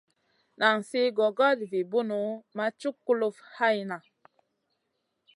Nan sli gogoda vi bunu ma cuk kulufn hayna.